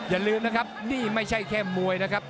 อย่าลืมนะครับนี่ไม่ใช่แค่มวยนะครับ